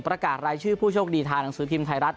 ประกาศรายชื่อผู้โชคดีทางหนังสือพิมพ์ไทยรัฐ